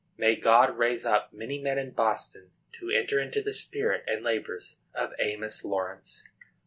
May God raise up many men in Boston to enter into the spirit and labors of Amos Lawrence!